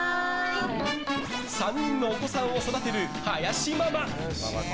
３人のお子さんを育てる林ママ。